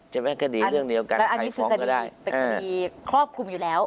จะแวะคดีเรื่องเดียวกันใครฟ้องก็ได้แต่คดีครอบคลุมอยู่แล้ว